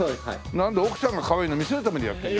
なんだ奥さんがかわいいの見せるためにやってる。